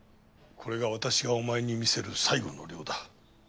これが私がお前に見せる最後の漁だ。